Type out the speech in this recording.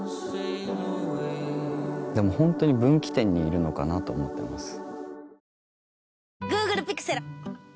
でもホントに分岐点にいるのかなと思ってます。